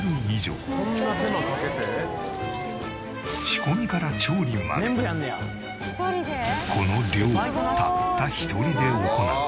仕込みから調理までこの量をたった一人で行う。